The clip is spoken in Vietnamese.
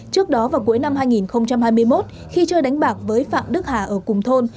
trước đó vào cuối năm hai nghìn hai mươi một khi chơi đánh bạc với phạm đức hà ở cùng thôn